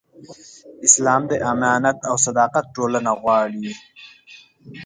اسلام د امانت او صداقت ټولنه غواړي.